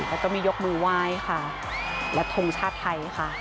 แล้วก็มียกมือไหว้ค่ะและทงชาติไทยค่ะ